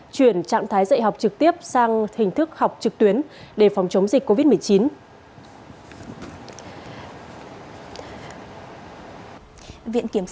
chuyển trạng thái dạy học trực tiếp sang hình thức học trực tuyến để phòng chống dịch covid một mươi chín